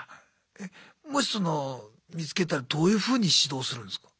えもしその見つけたらどういうふうに指導するんですか？